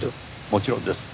もちろんです。